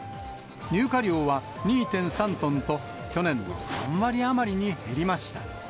入荷量は２．３トンと、去年の３割余りに減りました。